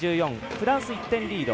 フランスが１点リード。